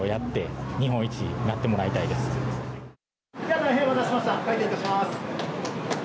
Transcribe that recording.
大変お待たせいたしました開店いたします。